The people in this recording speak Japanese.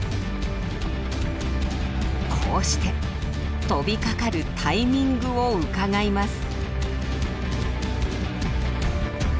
こうして飛びかかるタイミングをうかがいます。